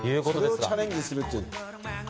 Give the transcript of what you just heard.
それをチャレンジするって。